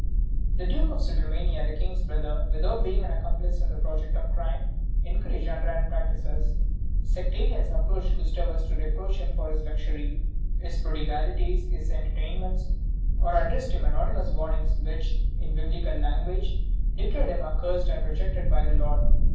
The Duke of Sudermania, the King's brother, without being an accomplice in the project of crime, encouraged underhand practices. Sectarians approached Gustavus to reproach him for his luxury, his prodigalities, his entertainments, or addressed him anonymous warnings which, in Biblical language, declared him accursed and rejected by the Lord.